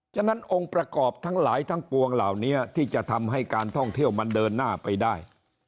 ฉะนั้นองค์ประกอบทั้งหลายทั้งปวงเหล่านี้ที่จะทำให้การท่องเที่ยวมันเดินหน้าไปได้